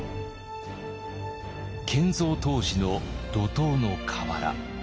建造当時の土塔の瓦。